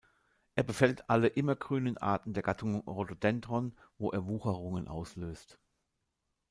Er befällt alle immergrünen Arten der Gattung "Rhododendron", wo er Wucherungen auslöst.